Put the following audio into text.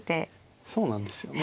そうなんですよね。